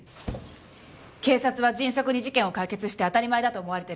警察は迅速に事件を解決して当たり前だと思われてるんです。